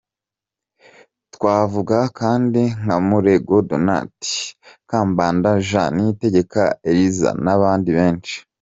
Twavuga kandi nka Murego Donat, Kambanda Jean, Niyitegeka Eliezer n’abandi benshi.